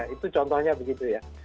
itu contohnya begitu ya